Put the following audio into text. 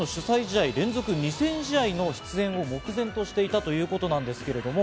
チームの主催試合連続２０００試合の出演を目前としていたということですけれども。